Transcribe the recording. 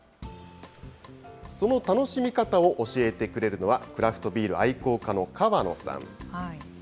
その楽しみ方を教えてくれるのは、クラフトビール愛好家の川野さん。